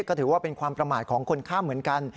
ก็ถือว่าเป็นความประมาทของคนข้ามเหมือนกัน